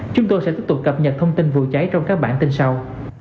chúng tôi sẽ tiếp tục cập nhật thông tin vụ cháy trong các bản tin sau